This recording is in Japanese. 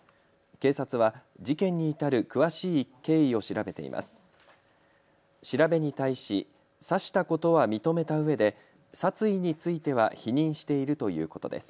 警察は事件に至る詳しい経緯を調べています。